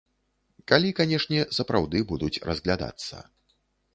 Калі, канешне, сапраўды будуць разглядацца.